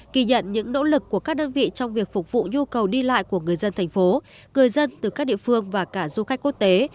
kỳ nhận những nỗ lực của các đơn vị trong việc phục vụ nhu cầu đi lại của người dân thành phố người dân từ các địa phương và cả du khách quốc tế